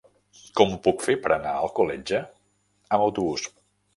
Com ho puc fer per anar a Alcoletge amb autobús?